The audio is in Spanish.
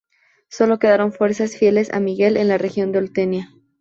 Solo quedaron fuerzas fieles a Miguel en la región de Oltenia.